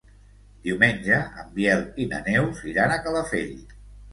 Diumenge en Biel i na Neus iran a Calafell.